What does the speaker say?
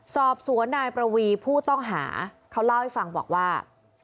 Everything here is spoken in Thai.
สอบสวนนายประวีผู้ต้องหาเขาเล่าให้ฟังบอกว่า